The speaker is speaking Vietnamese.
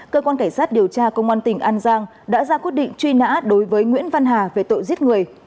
cơ quan cảnh sát điều tra công an tỉnh an giang đã ra quyết định truy nã đối với nguyễn văn hà về tội giết người